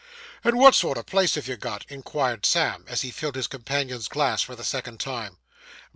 'And what sort of a place have you got?' inquired Sam, as he filled his companion's glass, for the second time.